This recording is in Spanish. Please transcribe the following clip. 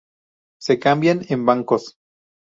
Se cambian en bancos.